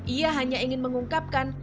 ia hanya ingin mengungkapkan